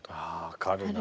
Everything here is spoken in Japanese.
分かるな。